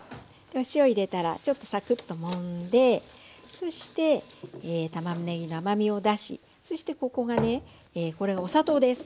お塩を入れたらちょっとサクッともんでそしてたまねぎの甘みを出しそしてこれがお砂糖です。